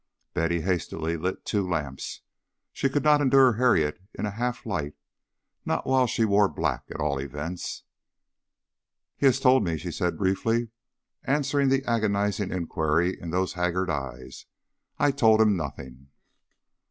Betty hastily lit two lamps. She could not endure Harriet in a half light, not while she wore black, at all events. "He has told me," she said briefly, answering the agonized inquiry in those haggard eyes. "I told him nothing."